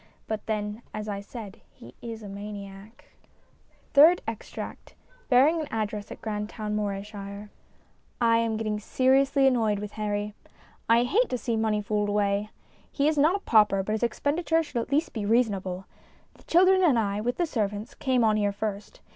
But then, as I said, he is a maniac. THIRD EXTRACT {Bearing an Address at Grandtoivn^ Morayshire) I AM getting seriously annoyed with Harry. I hate to see money fooled away. He is not a pauper, but his expenditure should at least be reasonable. The children and I, with the servants, came on here first.